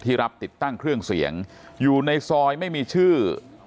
รับติดตั้งเครื่องเสียงอยู่ในซอยไม่มีชื่อ